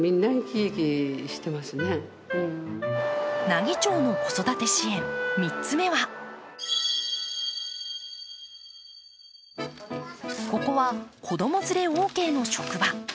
奈義町の子育て支援、３つ目はここは子供連れオーケーの職場。